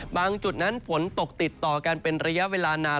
จุดนั้นฝนตกติดต่อกันเป็นระยะเวลานาน